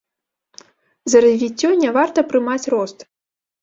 За развіццё не варта прымаць рост.